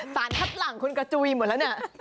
สารคัดหลังคุณกระจุยหมดแล้วเนี่ย